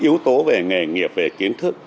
yếu tố về nghề nghiệp về kiến thức